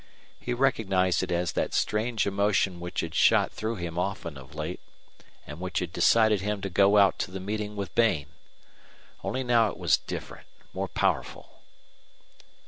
He recognized it as that strange emotion which had shot through him often of late, and which had decided him to go out to the meeting with Bain. Only now it was different, more powerful.